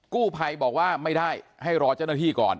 กู้ภัยบอกว่าไม่ได้ให้รอเจ้าหน้าที่ก่อน